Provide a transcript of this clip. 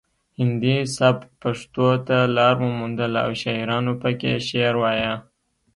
هندي سبک پښتو ته لار وموندله او شاعرانو پکې شعر وایه